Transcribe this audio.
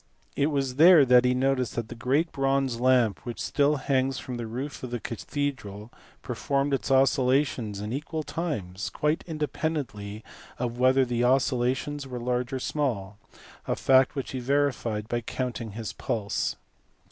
It was there that he noticed that the great bronze lamp, which still hangs from the roof of the cathedral, performed its oscillations in equal times, quite independently of whether the oscillations were large or small a fact which he verified by counting his pulse.